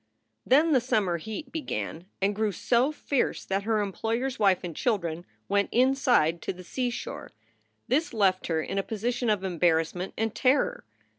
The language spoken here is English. Then the summer heat began and grew so fierce that her employer s wife and children went "inside" to the seashore. This left her in a position of embarrassment and terror.